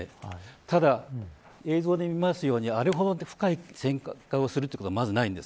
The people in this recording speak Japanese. ただ、映像で見ますようにあれほど深い旋回をすることはまずないんです。